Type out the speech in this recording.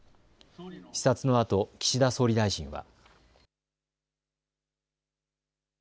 視察のあと、岸田総理大臣は。